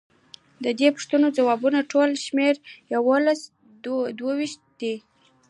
ددې پوښتنو او ځوابونو ټول شمیر یوسلو دوه ویشت دی.